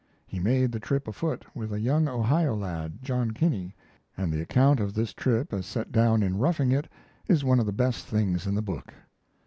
He made the trip afoot with a young Ohio lad, John Kinney, and the account of this trip as set down in 'Roughing It' is one of the best things in the book.